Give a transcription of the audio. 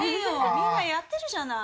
みんなやってるじゃない。